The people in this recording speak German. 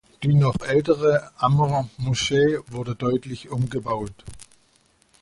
Die noch ältere Amr-Moschee wurde deutlich umgebaut.